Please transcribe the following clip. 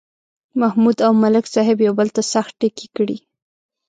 محمود او ملک صاحب یو بل ته سخت ټکي کړي.